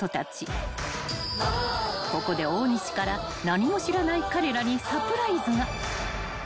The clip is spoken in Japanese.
［ここで大西から何も知らない彼らにサプライズが］